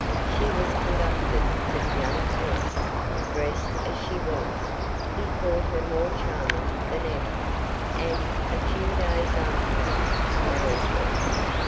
She was conducted to the young prince, dressed as she was; he thought her more charming than ever, and, a few days after, married her.